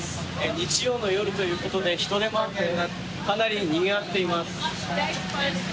日曜の夜ということで人出もあってかなりにぎわっています。